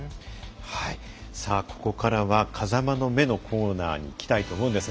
ここからは「風間の目」のコーナーにいきたいと思うんですが。